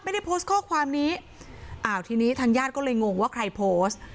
ไม่ได้โพสต์ข้อความนี้อ้าวทีนี้ทางญาติก็เลยงงว่าใครโพสต์